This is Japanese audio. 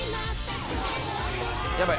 「やばい。